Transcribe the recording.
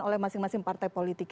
oleh masing masing partai politik